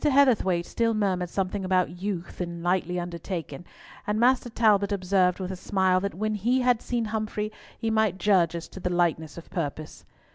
Heatherthwayte still murmured something about "youth" and "lightly undertaken," and Master Talbot observed, with a smile, that when he had seen Humfrey he might judge as to the lightness of purpose.